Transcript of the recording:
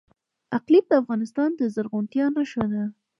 اقلیم د افغانستان د زرغونتیا نښه ده.